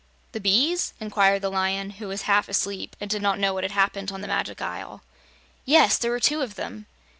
"The bees?" inquired the Lion, who was half asleep and did not know what had happened on the Magic Isle. "Yes; there were two of them."